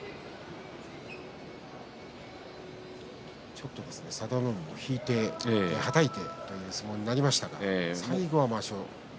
ちょっと佐田の海も引いてはたいてという相撲になりましたが最後はまわしを。